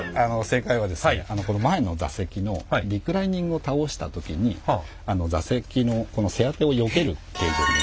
正解は前の座席のリクライニングを倒した時に座席の背当てをよける形状にしてありまして。